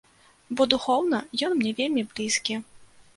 Бо духоўна ён мне вельмі блізкі.